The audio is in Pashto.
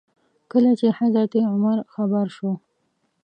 کله چې حضرت عمر خبر شو.